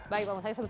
baik pak mas yusuf